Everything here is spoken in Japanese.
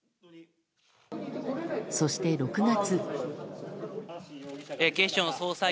そして６月。